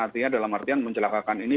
artinya dalam artian mencelakakan ini